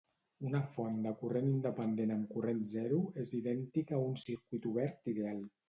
Una font de corrent independent amb corrent zero és idèntica a un circuit obert ideal.